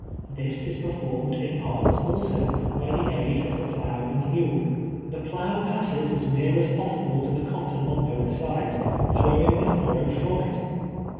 This is performed in part, also, by the aid of the plough and mule. The plough passes as near as possible to the cotton on both sides, throw ing the furrow from it.